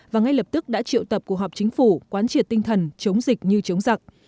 và ngay lập tức đã triệu tập cuộc họp chính phủ quán triệt tinh thần chống dịch như chống giặc